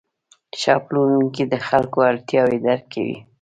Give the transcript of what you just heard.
ښه پلورونکی د خلکو اړتیاوې درک کوي.